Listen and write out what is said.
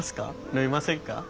飲みませんか？